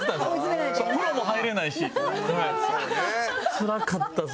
つらかったです